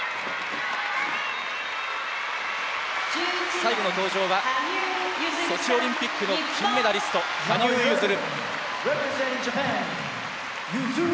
最後の登場はソチオリンピックの金メダリスト羽生結弦。